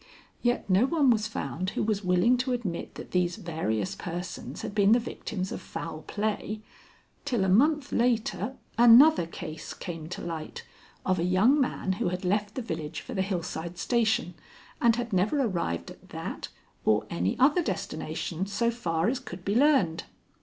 Yet no one was found who was willing to admit that these various persons had been the victims of foul play till a month later another case came to light of a young man who had left the village for the hillside station, and had never arrived at that or any other destination so far as could be learned.